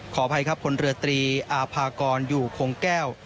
ขออภัยครับคนเรือตรีอาภากรอยู่คงแก้ว